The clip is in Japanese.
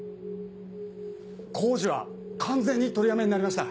工事は完全に取りやめになりました。